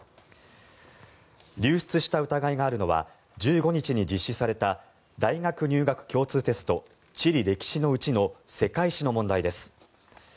流出した疑いがあるのは１５日に実施された大学入学共通テスト地理歴史のうちの世界史の問題です。